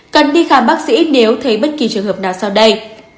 cần đi khám bác sĩ nếu thấy bất kỳ trường hợp nào sau đây